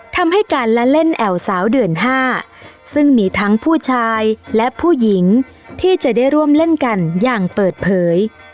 ทำให้การละเล่นแอวสาวเดือน๕ซึ่งมีทั้งผู้ชายและผู้หญิงที่จะได้ร่วมเล่นกันอย่างเปิดเผย